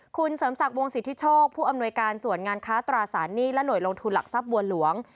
คุณเสริมศักดิ์วงสิทธิโชคผู้อำนวยการส่วนงานค้าตราสารหนี้และหน่วยลงทุนหลักทรัพย์บัวหลวง